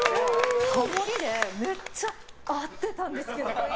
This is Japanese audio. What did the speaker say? ハモリでめっちゃ合ってたんですけど。